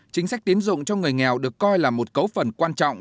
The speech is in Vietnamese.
chính sách tiến dụng cho người nghèo được coi là một cấu phần quan trọng